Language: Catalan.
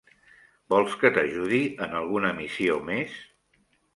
Vols que t'ajudi en alguna missió més?